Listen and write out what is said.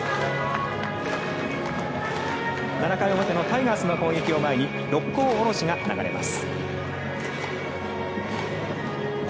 ７回表のタイガースの攻撃を前に「六甲おろし」が流れます。